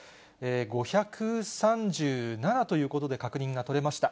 ５３７ということで、確認がとれました。